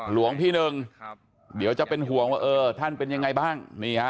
หลวงพี่หนึ่งเดี๋ยวจะเป็นห่วงว่าเออท่านเป็นยังไงบ้าง